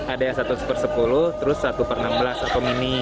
ada yang satu per sepuluh terus satu per enam belas atau mini